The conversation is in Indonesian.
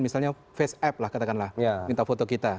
misalnya faceapp lah katakanlah minta foto kita